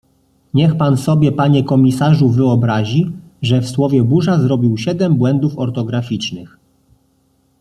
Niech pan sobie panie komisarzu wyobrazi, że w słowie burza zrobił siedem błędów ortograficznych.